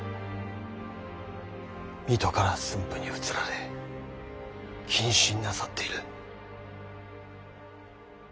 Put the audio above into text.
水戸から駿府に移られ謹慎なさっている。